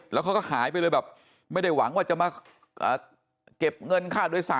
แล้วเขาก็หายไปเลยแบบไม่ได้หวังว่าจะมาเก็บเงินค่าโดยสาร